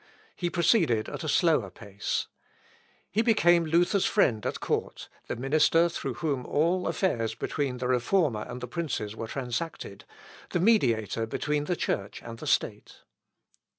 He proceeded at a slower pace. He became Luther's friend at court, the minister through whom all affairs between the Reformer and the princes were transacted, the mediator between the Church and the State.